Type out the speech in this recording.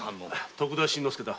徳田新之助だ。